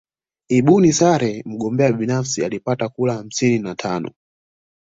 Ibuni Saleh mgombea binafsi alipata kura hamsini na tano